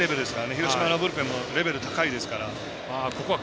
広島のブルペンもレベル高いですから。